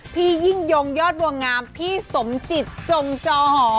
พี่ยิ่งยงยอดวงงามพี่สมจิตจงจอหอ